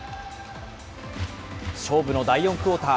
勝負の第４クオーター。